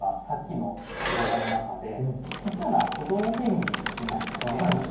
さっきの動画の中でちっちゃな子どもペンギンいましたよね。